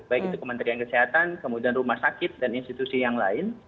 baik itu kementerian kesehatan kemudian rumah sakit dan institusi yang lain